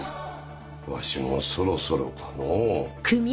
わしもそろそろかのう。